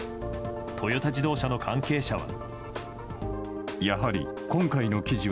トヨタ自動車の関係者は。